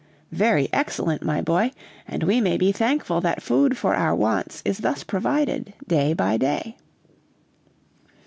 "Very excellent, my boy, and we may be thankful that food for our wants is thus provided day by day."